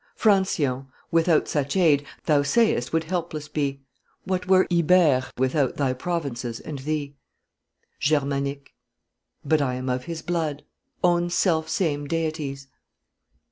Francion, without such aid, thou say'st would helpless be; What were Ibere without thy provinces and thee? GERMANIQUE. But I am of his blood: own self same Deities.